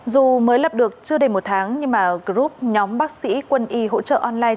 dù mới lập được chưa đầy một tháng nhưng mà group nhóm bác sĩ quân y hỗ trợ online